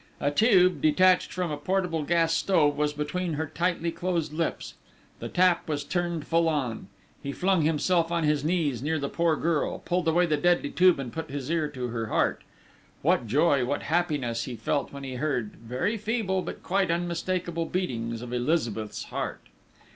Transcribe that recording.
A tube, detached from a portable gas stove, was between her tightly closed lips! The tap was turned full on. He flung himself on his knees near the poor girl, pulled away the deadly tube, and put his ear to her heart. What joy, what happiness, he felt when he heard, very feeble but quite unmistakable beatings of Elizabeth's heart!